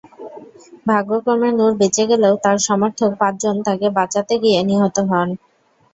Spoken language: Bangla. ভাগ্যক্রমে নূর বেঁচে গেলেও তার সমর্থক পাঁচজন তাকে বাঁচাতে গিয়ে নিহত হন।